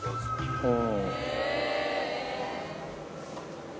うん。